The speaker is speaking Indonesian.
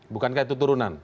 bukankah itu turunan